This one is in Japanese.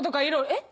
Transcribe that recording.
えっ？